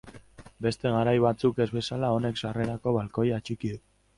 Beste garai batzuk ez bezala honek sarrerako balkoia atxiki du.